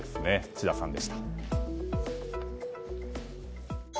智田さんでした。